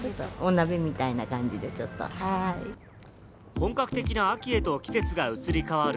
本格的な秋へと季節が移り変わる